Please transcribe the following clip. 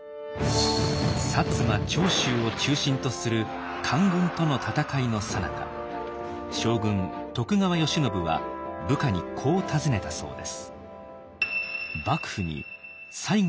摩・長州を中心とする官軍との戦いのさなか将軍徳川慶喜は部下にこう尋ねたそうです。